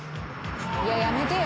いややめてよ？